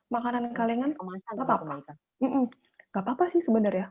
makanan yang kalengan nggak apa apa sih sebenarnya